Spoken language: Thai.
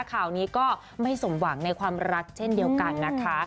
ข่าวนี้ก็ไม่สมหวังในความรักเช่นเดียวกันนะคะ